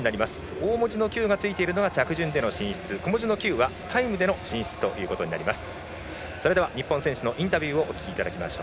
大文字のＱがついているのが着順での進出小文字のｑはタイムでの進出となります。